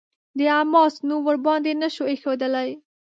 د «حماس» نوم ورباندې نه شو ايښودلای.